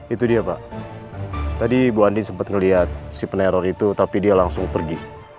itu dia pak tadi bu andi sempat melihat si peneror itu tapi dia langsung pergi